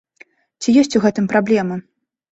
Ці ёсць у гэтым праблема?